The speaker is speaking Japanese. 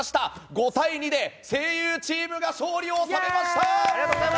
５対２で声優チームが勝利を収めました。